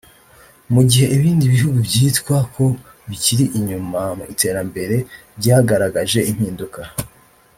mu gihe ibindi bihugu byitwa ko bikiri inyuma mu iterambere byagaragaje impinduka